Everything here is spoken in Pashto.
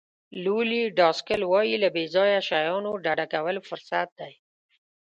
لولي ډاسکل وایي له بې ځایه شیانو ډډه کول فرصت دی.